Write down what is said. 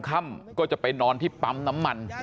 ค่ำก็จะไปนอนที่ปั๊มน้ำมัน